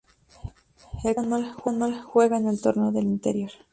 El campeón anual juega el Torneo del Interior.